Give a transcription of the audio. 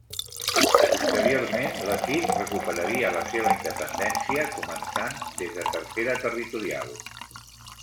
Posteriorment l'equip recuperaria la seva independència, començant des de Tercera Territorial.